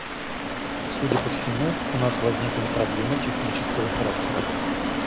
Судя по всему, у нас возникла проблема технического характера.